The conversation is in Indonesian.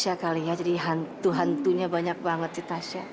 tidak sekali ya jadi hantu hantunya banyak banget si tasya